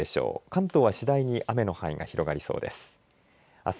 関東は次第に雨の範囲が広がりそうです。